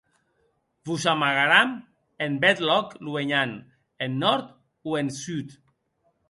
Mos amagaram en bèth lòc luenhant, en nòrd o en sud.